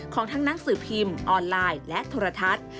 ของทั้งหนังสือพิมพ์ออนไลน์และโทรทัศน์